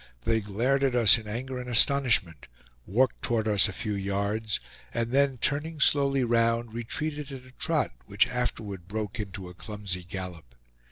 They glared at us in anger and astonishment, walked toward us a few yards, and then turning slowly round retreated at a trot which afterward broke into a clumsy gallop.